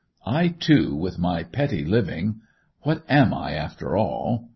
I, too, with my petty living—what am I after all?